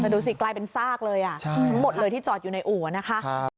แต่ดูสิกลายเป็นซากเลยทั้งหมดเลยที่จอดอยู่ในอู่นะคะ